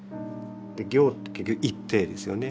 「行」って結局「行ッテ」ですよね。